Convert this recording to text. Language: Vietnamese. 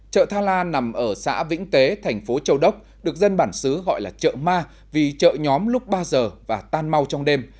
chợ tha la nằm ở xã vĩnh tế thành phố châu đốc được dân bản xứ gọi là chợ ma vì chợ nhóm lúc ba giờ và tan mau trong đêm